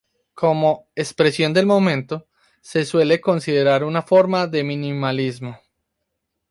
Como "expresión del momento", se suele considerar una forma de minimalismo.